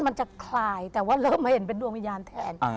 มันจะคลายแต่ว่าเริ่มมาเห็นเป็นดวงวิญญาณแทน